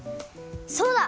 そうだ！